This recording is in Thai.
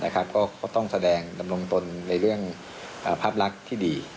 ก็ต้องแสดงดำรงตนในเรื่องภาพลักษณ์ที่ดี